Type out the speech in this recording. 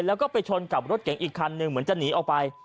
แล้วก็ไปชนกับรถเก่งอีกคันหนึ่งเหมือนจะหนีออกไป